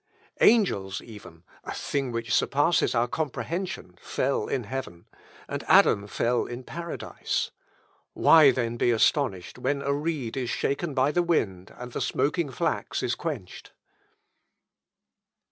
Angels even (a thing which surpasses our comprehension) fell in heaven, and Adam fell in paradise. Why then be astonished when a reed is shaken by the wind, and the smoking flax is quenched?"